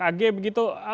dan anak ag begitu